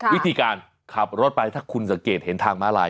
วิธีการขับรถไปถ้าคุณสังเกตเห็นทางม้าลาย